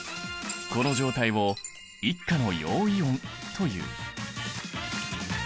この状態を１価の陽イオンという。